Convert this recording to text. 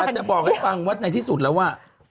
จะบอกให้ฟังว่าในที่สุดแล้วอ่ะ